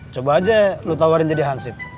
coba aja lu tawarin jadi hansip